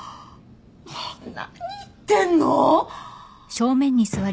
もう何言ってんの！？